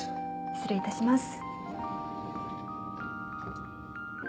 失礼いたします。